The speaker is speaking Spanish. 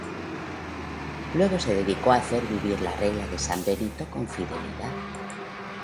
Luego se dedicó a hacer vivir la Regla de san Benito con fidelidad.